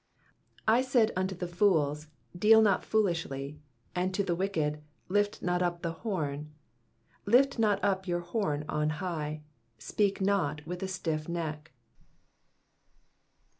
4 1 said unto the fools, Deal not foolishly : and to the wicked, Lift not up the horn. 5 Lift not up your horn on high : speak not with a stiff neck.